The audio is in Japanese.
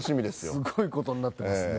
すごい事になってますね。